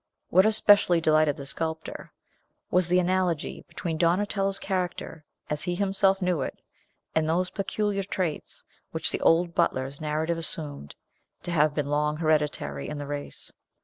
What especially delighted the sculptor was the analogy between Donatello's character, as he himself knew it, and those peculiar traits which the old butler's narrative assumed to have been long hereditary in the race.